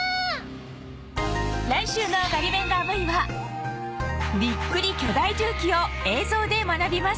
来週の『ガリベンガー Ｖ』はびっくり巨大重機を映像で学びます